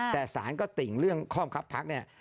แต่สารก็ติ่งเรื่องข้อบังคับพักเนี่ย